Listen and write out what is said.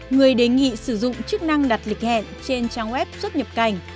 người đề nghị sử dụng chức năng đặt lịch hẹn trên trang web xuất nhập cảnh